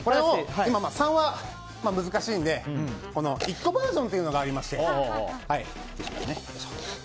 ３は難しいので１個バージョンというのがありまして。